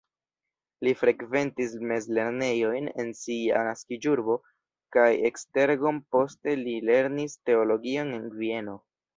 Li frekventis mezlernejojn en sia naskiĝurbo kaj Esztergom, poste li lernis teologion en Vieno.